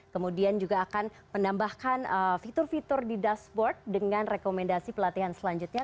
kemudian juga akan menambahkan fitur fitur di dashboard dengan rekomendasi pelatihan selanjutnya